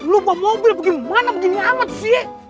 lu bawa mobil bagaimana begini amat sih